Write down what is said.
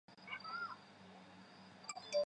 政治自由和人权是开放社会的基础。